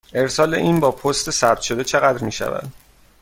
ارسال این با پست ثبت شده چقدر می شود؟